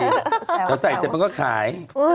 เดี๋ยวใส่เสร็จมันก็ขาย